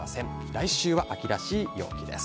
来週は秋らしい陽気です。